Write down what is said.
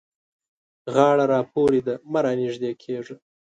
غاړه را پورې ده؛ مه رانږدې کېږه.